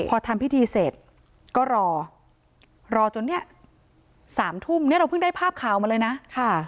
พอทำพิธีเสร็จก็รอรอจน๓ทุ่มเราเพิ่งได้ภาพข่าวมาเลยนะ